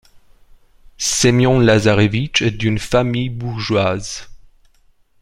Semion Lazarevitch est d'une famille bourgeoise.